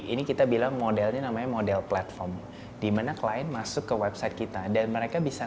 ini kita bilang modelnya namanya model platform dimana klien masuk ke website kita dan mereka bisa